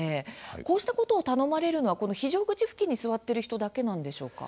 こうしたことを頼まれるのは非常口付近に座ってる人だけなんでしょうか？